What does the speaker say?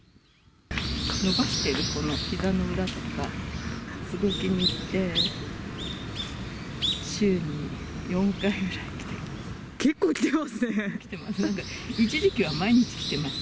伸ばしてる、このひざの裏とか、すごく気に入って、週に４回ぐらい来てます。